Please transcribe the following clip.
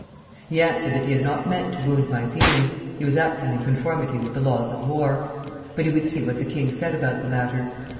He answered that he had not meant to wound my feelings, he was acting in conformity with the laws of war; but he would see what the king said about the matter.